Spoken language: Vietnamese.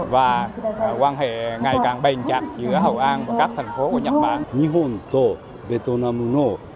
và quan hệ ngày càng bền chặt giữa hội an và các thành phố của nhật bản